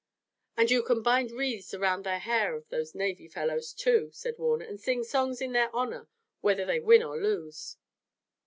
"And you can bind wreaths around the hair of those navy fellows, too," said Warner, "and sing songs in their honor whether they win or lose."